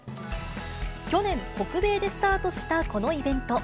去年、北米でスタートしたこのイベント。